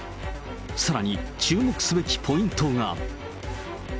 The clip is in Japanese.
さらに、注目すべきポイントが。